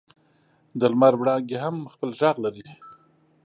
د لمر وړانګې هم خپل ږغ لري.